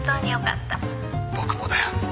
「僕もだよ」